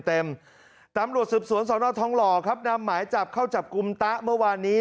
ตำรวจสืบสวนสนทองหล่อครับนำหมายจับเข้าจับกลุ่มตะเมื่อวานนี้